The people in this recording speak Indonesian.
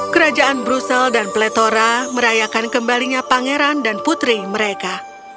kerajaan brussel dan pletora merayakan kembalinya pangeran dan putri mereka